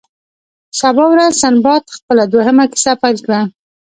سبا ورځ سنباد خپله دوهمه کیسه پیل کړه.